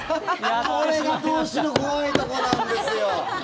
これが投資の怖いところなんですよ。